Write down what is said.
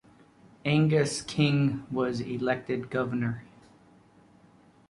Angus King was elected governor.